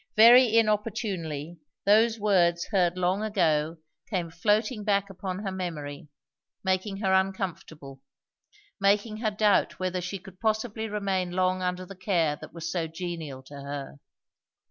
Very inopportunely those words heard long ago came floating back upon her memory, making her uncomfortable; making her doubt whether she could possibly remain long under the care that was so genial to her.